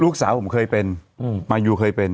ลูกสาวผมเคยเป็นมายูเคยเป็น